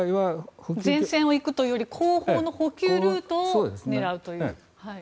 前線を行くというより後方の補給ルートを狙うという。